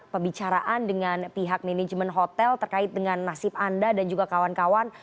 pembicaraan dengan pihak manajemen hotel terkait dengan nasib anda dan juga kawan kawan